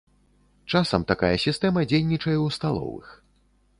Часам такая сістэма дзейнічае ў сталовых.